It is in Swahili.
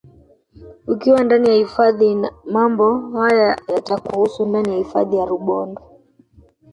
Ukiwa ndani ya hifadhi mambo haya yatakuhusu ndani ya hifadhi ya Rubondo